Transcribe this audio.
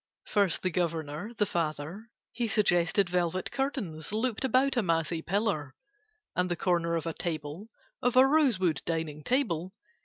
First the Governor, the Father: He suggested velvet curtains Looped about a massy pillar; And the corner of a table, Of a rosewood dining table.